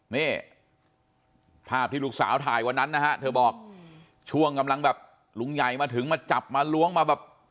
นี่ภาพที่ลูกสาวถ่ายวันนั้นนะฮะเธอบอกช่วงกำลังแบบลุงใหญ่มาถึงมาจับมาล้วงมาแบบ